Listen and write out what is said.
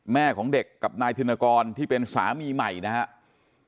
แม่ของเด็กกับนายธินกรที่เป็นสามีใหม่นะครับ